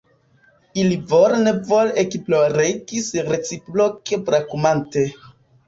Ili vole nevole ekploregis reciproke brakumante.